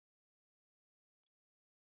اديبانو ګران صاحب په زړه کښې کښينولی وو